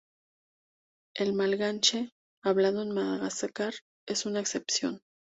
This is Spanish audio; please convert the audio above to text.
El malgache, hablado en Madagascar, es una excepción.